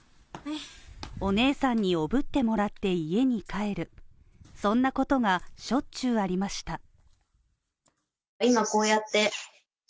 お姉さんにおぶってもらって家に帰る、そんなことが、しょっちゅうありました。